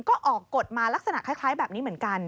ก็ออกกฎมาลักษณะคล้ายแบบนี้เหมือนกัน